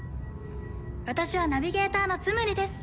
私はナビゲーターのツムリです。